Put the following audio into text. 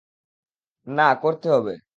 না, করতে হবে।